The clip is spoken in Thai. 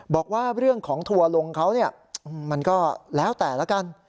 บอกว่าเรื่องของทัวร์ลงเขาเนี่ยมันก็แล้วแต่ละกัน